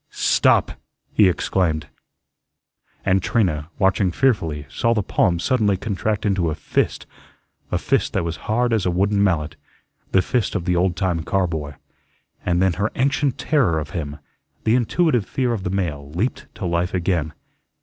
"Stop!" he exclaimed. And Trina, watching fearfully, saw the palm suddenly contract into a fist, a fist that was hard as a wooden mallet, the fist of the old time car boy. And then her ancient terror of him, the intuitive fear of the male, leaped to life again.